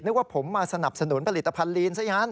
ว่าผมมาสนับสนุนผลิตภัณฑลีนซะงั้น